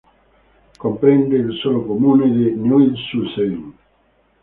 Comprende il solo comune di Neuilly-sur-Seine.